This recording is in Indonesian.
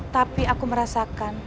tapi aku merasakan